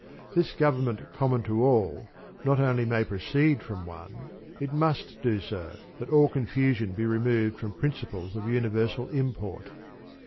This government com mon to all not only may proceed from one ; it must do so, that all confusion be removed from principles of universal import.